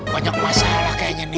banyak masalah kayaknya nih